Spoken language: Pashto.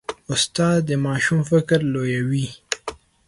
استاد د ماشوم فکر لویوي.